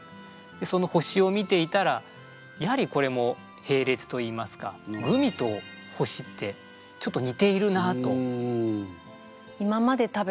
でその星を見ていたらやはりこれも並列といいますかグミと星ってちょっとにているなあと。